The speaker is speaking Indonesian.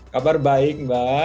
kabar baik mbak